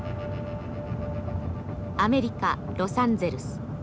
アメリカ・ロサンゼルス。